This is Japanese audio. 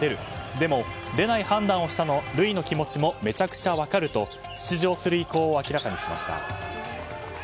でも、出ない判断をした塁の気持ちもめちゃくちゃ分かると出場する意向を明らかにしました。